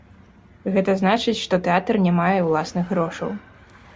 Гэта значыць, што тэатр не мае ўласных грошаў.